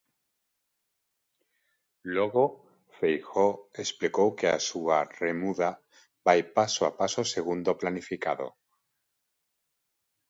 Logo, Feijóo explicou que a súa remuda vai paso a paso segundo o planificado.